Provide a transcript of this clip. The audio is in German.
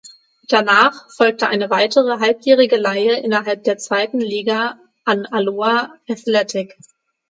Danach folgte eine weitere halbjährige Leihe innerhalb der zweiten Liga an Alloa Athletic.